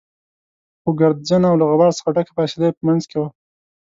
خو ګردجنه او له غبار څخه ډکه فاصله يې په منځ کې وه.